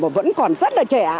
và vẫn còn rất là trẻ